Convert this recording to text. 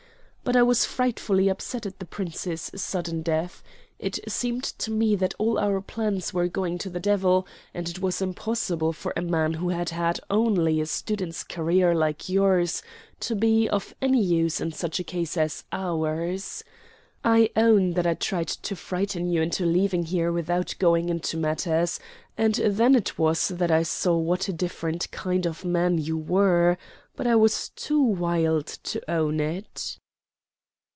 But I was frightfully upset at the Prince's sudden death. It seemed to me that all our plans were going to the devil, and it was impossible for a man who had had only a student's career like yours to be of any use in such a case as ours. I own that I tried to frighten you into leaving here without going into matters; and then it was I saw what a different kind of man you were. But I was too wild to own it."